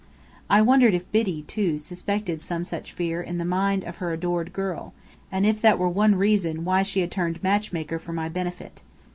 I wondered if Biddy, too, suspected some such fear in the mind of her adored girl, and if that were one reason why she had turned matchmaker for my benefit.